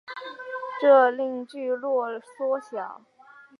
这令聚落缩小。